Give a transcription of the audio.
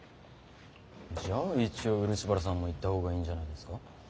じゃあ一応漆原さんも行った方がいんじゃないですか？